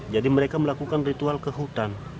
jadi mereka melakukan ritual ke hutan